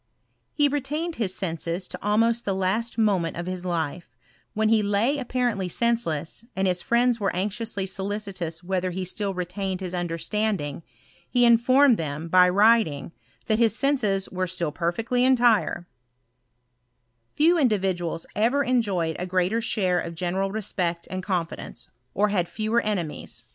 H4 retained his senses' to almost the last moment of his life : when he lay apparently senseless, and his firiends were anxiously solicitous whether he still re tained his understanding, he informed them, by writing, that his senses were still perfectly entire* Few individuals ever enjoyed a greater share of gene ral respect and confidence, or had fewer enemies